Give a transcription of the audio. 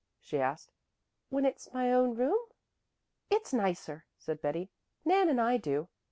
she asked, "when it's my own room." "It's nicer," said Betty. "Nan and I do.